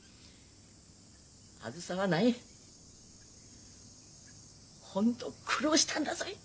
あづさはない本当苦労したんだぞい。